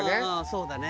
そうだね。